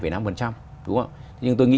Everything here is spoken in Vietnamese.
hai năm đúng không nhưng tôi nghĩ